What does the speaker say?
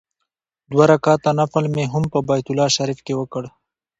دوه رکعاته نفل مې هم په بیت الله شریفه کې وکړ.